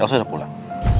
elsa udah pulang